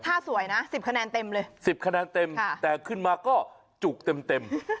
ถ้าสวยนะ๑๐คะแนนเต็มเลย๑๐คะแนนเต็มแต่ขึ้นมาก็จุกเต็ม